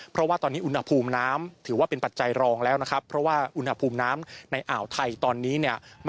เพราะว่าตอนนี้อุณหภูมิน้ำถือว่าเป็นปัจจัยรองแล้วนะครับ